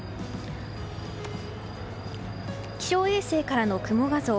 気象衛星からの雲画像。